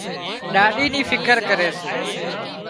ڏاڏِي نِي فڪر ڪري سي